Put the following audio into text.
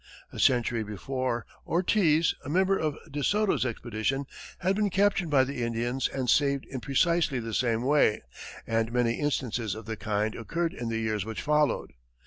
A century before, Ortiz, a member of De Soto's expedition, had been captured by the Indians and saved in precisely the same way, and many instances of the kind occurred in the years which followed.